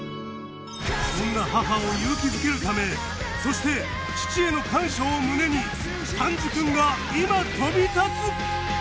そんな母を勇気づけるためそして父への感謝を胸に丹治くんが今飛び立つ！